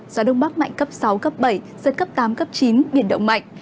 gió đông bắc mạnh cấp sáu bảy gió cấp tám chín biển động mạnh